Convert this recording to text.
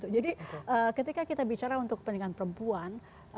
jadi ketika kita bicara untuk pendidikan perempuan